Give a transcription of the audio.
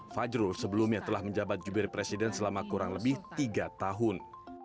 fajrul sebelumnya telah menjabat jubir presiden selama kurang lebih tiga tahun